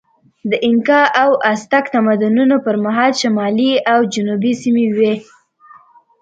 د اینکا او ازتک تمدنونو پر مهال شمالي او جنوبي سیمې وې.